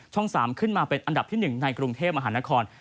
๓ขึ้นมาเป็นอันดับที่๑ในกรุงเทพมหานคร